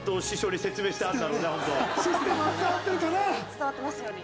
伝わってますように。